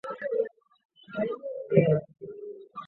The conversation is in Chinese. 设计放在身边